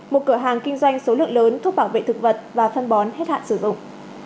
một cửa hàng kinh doanh số lượng lớn thuốc bảo vệ thực vật và phân bón hết hạn sử dụng